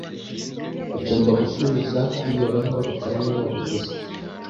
Ugomba gusubiza kuri iyo baruwa rukara niwe wabivuze